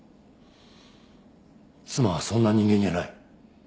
妻はそんな人間じゃない。